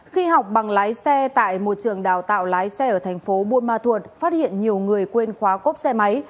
khi học bằng lái xe tại một trường đào tạo lái xe ở thành phố buôn ma thuột phát hiện nhiều người quên khóa cốp xe máy